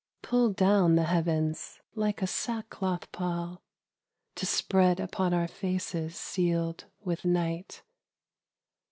Pull down the heavens like a sackcloth pall To spread upon our faces sealed with night.